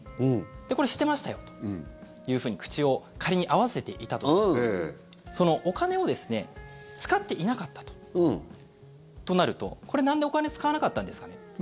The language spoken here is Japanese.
で、これ知ってましたよというふうに口を仮に合わせていたとしてそのお金をですね使っていなかったと。となると、これ、なんでお金使わなかったんですかねと。